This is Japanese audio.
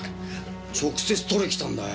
直接取りに来たんだよ。